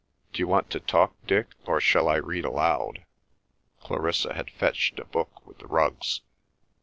"D'you want to talk, Dick, or shall I read aloud?" Clarissa had fetched a book with the rugs.